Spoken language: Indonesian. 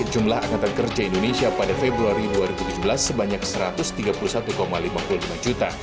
jumlah angkatan kerja indonesia pada februari dua ribu tujuh belas sebanyak satu ratus tiga puluh satu lima puluh lima juta